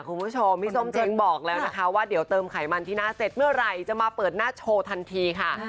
คุณผู้ชมพี่ส้มเช้งบอกแล้วนะคะว่าเดี๋ยวเติมไขมันที่หน้าเสร็จเมื่อไหร่จะมาเปิดหน้าโชว์ทันทีค่ะ